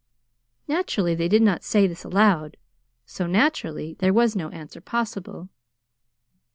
Naturally they did not say this aloud; so, naturally, there was no answer possible.